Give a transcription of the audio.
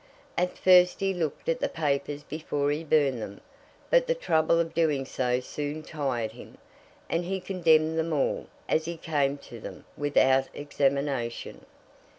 At first he looked at the papers before he burned them; but the trouble of doing so soon tired him, and he condemned them all, as he came to them, without examination.